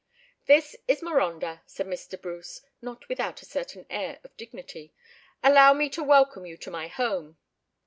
"This is Marondah!" said Mr. Bruce, not without a certain air of dignity—"allow me to welcome you to my home."